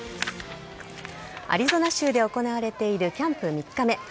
アリゾナ州で行われているキャンプ３日目。